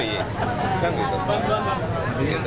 bukan gitu pak